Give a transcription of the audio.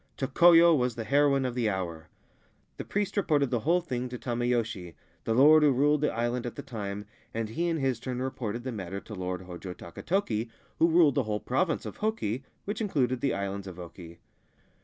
Tokoyo was the heroine of the hour. The priest reported the whole thing to Tameyoshi, the lord who ruled the island at the time, and he in his turn reported the matter to the Lord Hojo Takatoki, who ruled the whole Province of Hoki, which included the Islands of Oki.